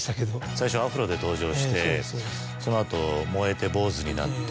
最初アフロで登場してその後燃えて坊主になって。